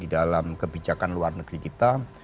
di dalam kebijakan luar negeri kita